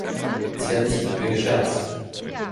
Sie hat nicht mit mir gescherzt.